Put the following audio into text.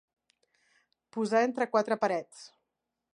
Posar entre quatre parets.